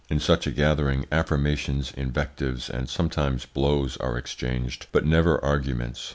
In such a gathering affirmations, invectives, and sometimes blows are exchanged, but never arguments.